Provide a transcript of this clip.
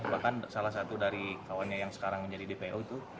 bahkan salah satu dari kawannya yang sekarang menjadi dpo itu